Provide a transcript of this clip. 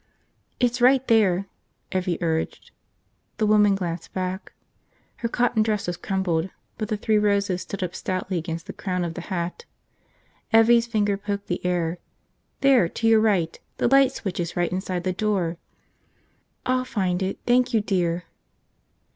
"It's right there," Evvie urged. The woman glanced back. Her cotton dress was crumpled, but the three roses stood up stoutly against the crown of the hat. Evvie's finger poked the air. "There! To your right. The light switch is right inside the door." "I'll find it. Thank you, dear."